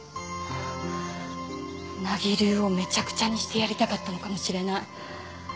名木流をめちゃくちゃにしてやりたかったのかもしれない。